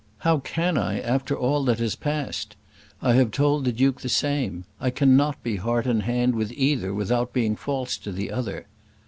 How can I after all that has passed? I have told the Duke the same. I cannot be heart and hand with either without being false to the other."